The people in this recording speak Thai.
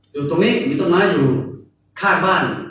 อยู่ตรงนี้มีต้นไม้อยู่ข้างบ้าน